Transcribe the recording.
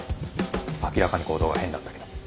明らかに行動が変だったけど。